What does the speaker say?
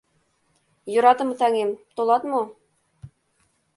Йӧратыме таҥем, толат мо?